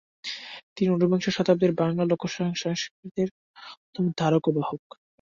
তিনি ঊনবিংশ শতাব্দীর বাংলা লোকসংস্কৃতির অন্যতম ধারক ও বাহক।